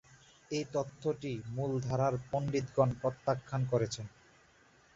এই তত্ত্বটি মূলধারার পণ্ডিতগণ প্রত্যাখ্যান করেছেন।